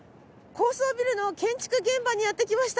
高層ビルの建築現場にやって来ました。